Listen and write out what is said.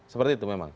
seperti itu memang